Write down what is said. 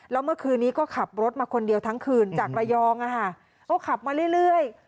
แล้วเมื่อคืนนี้ก็ขับรถมาคนเดียวทั้งคืนจากระยองก็ขับมาเรื่อย